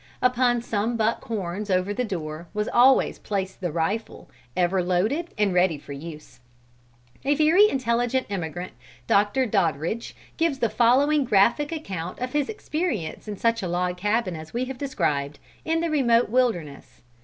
Upon some buck horns over the door was always placed the rifle, ever loaded and ready for use. A very intelligent emigrant, Dr. Doddridge, gives the following graphic account of his experience in such a log cabin as we have described, in the remote wilderness.